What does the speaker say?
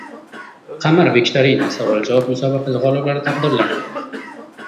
"Qamar Viktorina" savol-javob musobaqasi g‘oliblari taqdirlandi